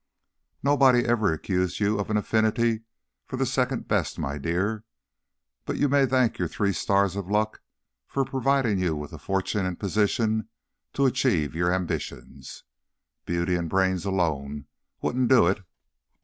"Nobody ever accused you of an affinity for the second best, my dear; but you may thank your three stars of luck for providing you with the fortune and position to achieve your ambitions: beauty and brains alone wouldn't do it.